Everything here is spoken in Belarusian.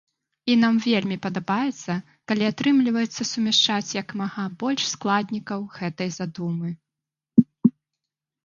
І нам вельмі падабаецца, калі атрымліваецца сумяшчаць як мага больш складнікаў гэтай задумы.